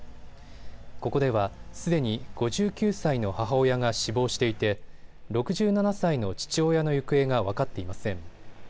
ここでは、すでに５９歳の母親が死亡していて６７歳の父親の行方が分かっていません。